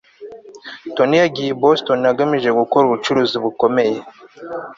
Tony yagiye i Boston agamije gukora ubucuruzi bukomeye